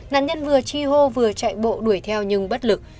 nạn nhân vừa chi hô vừa chạy bộ đuổi theo nhưng bất lực